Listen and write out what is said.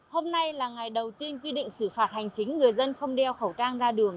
hôm nay là ngày đầu tiên quy định xử phạt hành chính người dân không đeo khẩu trang ra đường